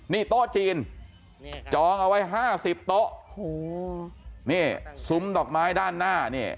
นี่โต๊ะจีนจองเอาไว้ห้าสิบโต๊ะโอ้โหนี่ซุ้มดอกไม้ด้านหน้าเนี่ย